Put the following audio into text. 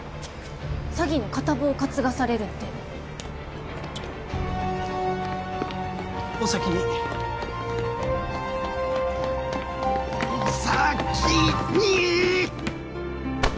詐欺の片棒担がされるんでチッお先にお先に！